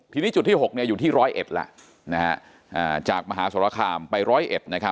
ทีนี้จุดที่หกเนี้ยอยู่ที่ร้อยเอ็ดล่ะนะฮะอ่าจากมหาสรคามไปร้อยเอ็ดนะครับ